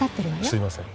すいません。